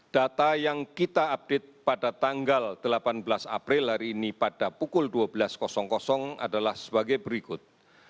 data yang kita update pada tanggal delapan belas april hari ini pada pukul dua belas adalah sebagai berikut